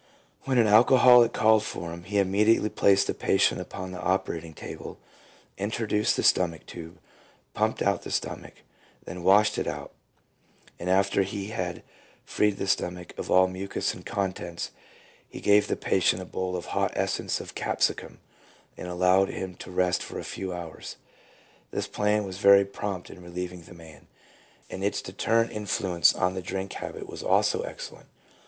When an alcoholic called for him he immediately placed the patient upon the operating table, introduced the stomach tube, pumped out the stomach, then washed it out, and after he had freed the stomach of all mucous and contents, he gave the patient a bowl of hot essence of capsicum, and allowed him to rest for a few hours. This plan was very prompt in relieving the man, and its deterrent in fluence on the drink habit was also excellent.